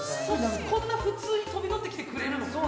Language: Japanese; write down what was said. こんな普通に飛び乗ってきてくれるの？